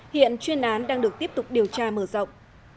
hiện chuyên án đang được tiếp tục điều tra mở rộng